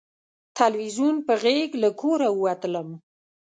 تلویزیون په غېږ له کوره ووتلم